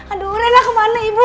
aduh rena kemana ibu